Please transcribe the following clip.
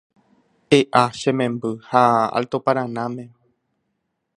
E'a che memby ha Alto Paranáme